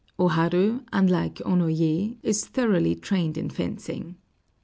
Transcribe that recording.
O Haru, unlike Onoyé, is thoroughly trained in fencing.